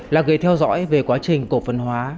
là người theo dõi về quá trình cổ phần hóa